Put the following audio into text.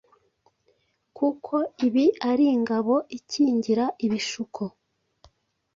kuko ibi ari ingabo ikingira ibishuko